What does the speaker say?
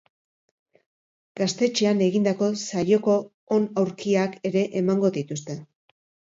Gaztetxean egindako saioko on aurkiak ere emango dituzte.